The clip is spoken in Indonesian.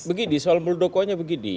begini soal muldoko nya begini